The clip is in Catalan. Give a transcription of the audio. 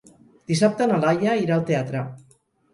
Dissabte na Laia irà al teatre.